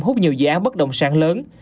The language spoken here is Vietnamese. hút nhiều dự án bất động sản lớn